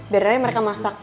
biarin aja mereka masak